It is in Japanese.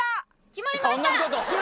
決まりました！